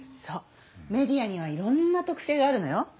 そうメディアにはいろんな特性があるのよ。